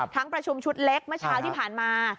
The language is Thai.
ประชุมชุดเล็กเมื่อเช้าที่ผ่านมา